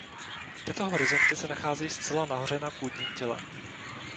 Tyto horizonty se nacházejí zcela nahoře na půdním těle.